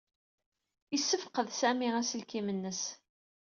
Yessefqed Sami aselkim-nnes.